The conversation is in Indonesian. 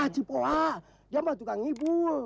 cipuak dia mah tukang ibu